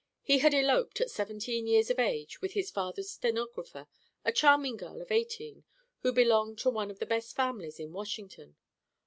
He had eloped, at seventeen years of age, with his father's stenographer, a charming girl of eighteen who belonged to one of the best families in Washington.